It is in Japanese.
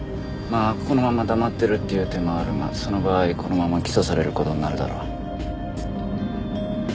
まあこのまま黙っているという手もあるがその場合このまま起訴される事になるだろう。